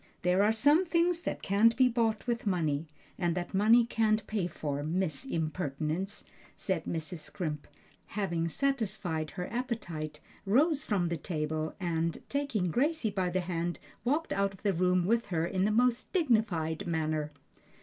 "There are some things that can't be bought with money, and that money can't pay for, Miss Impertinence;" and Mrs. Scrimp, having satisfied her appetite, rose from the table and, taking Gracie by the hand, walked out of the room with her in the most dignified manner.